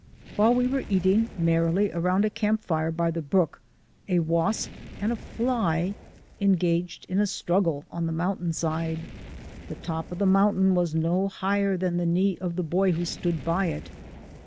While we were eating merrily round a camp fire by the brook a wasp and a fly engaged in a struggle on a mountainside. The top of the mountain was no higher than the knee of the boy who stood by it.